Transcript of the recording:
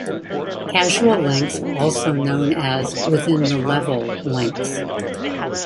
Causal links are also known as "within the level" links.